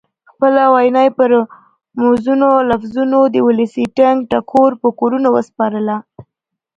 خپله وینا یې پر موزونو لفظونو د ولسي ټنګ ټکور په کورونو وسپارله.